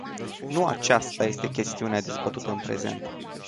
Nu acesta este chestiunea dezbătută în prezent.